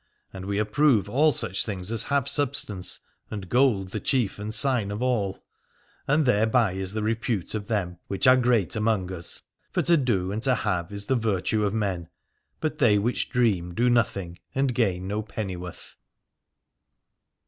And we approve all such things as have substance, and gold the chief and sign of all : and thereby is the repute of them which are great among us. For to do and to have is the virtue of men, but they which dream do nothing and gain no penny worth.